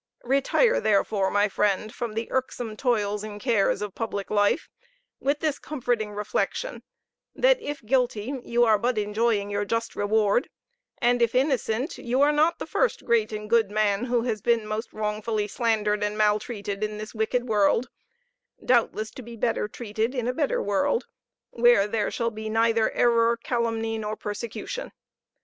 Retire therefore, my friend, from the irksome toils and cares of public life, with this comforting reflection that if guilty, you are but enjoying your just reward and if innocent, you are not the first great and good man who has most wrongfully been slandered and maltreated in this wicked world doubtless to be better treated in a better world, where there shall be neither error, calumny, nor persecution.